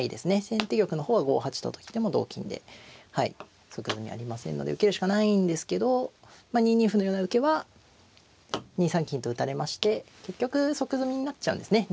先手玉の方は５八とと来ても同金で即詰みありませんので受けるしかないんですけどまあ２二歩のような受けは２三金と打たれまして結局即詰みになっちゃうんですね。